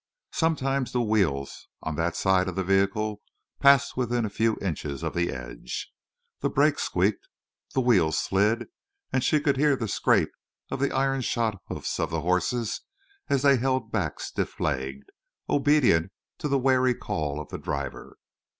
Sometimes the wheels on that side of the vehicle passed within a few inches of the edge. The brakes squeaked, the wheels slid; and she could hear the scrape of the iron shod hoofs of the horses as they held back stiff legged, obedient to the wary call of the driver.